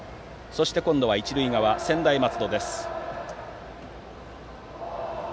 そして、今度は一塁側専大松戸です。